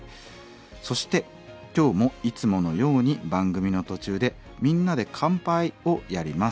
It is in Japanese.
そして今日もいつものように番組の途中で「みんなで乾杯」をやります。